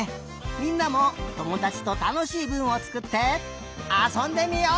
みんなもともだちとたのしいぶんをつくってあそんでみよう！